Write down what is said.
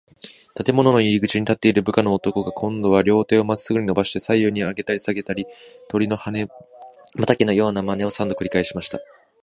建物の入口に立っている部下の男が、こんどは両手をまっすぐにのばして、左右にあげたりさげたり、鳥の羽ばたきのようなまねを、三度くりかえしました。